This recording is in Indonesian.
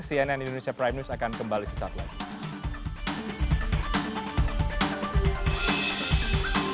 cnn indonesia prime news akan kembali sesaat lagi